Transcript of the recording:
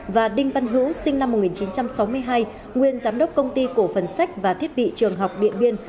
và đinh văn hữu sinh năm một nghìn chín trăm sáu mươi hai nguyên giám đốc công ty cổ phần sách và thiết bị trường học điện biên